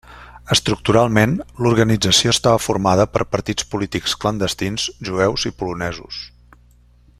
Estructuralment, l'organització estava formada per partits polítics clandestins jueus i polonesos.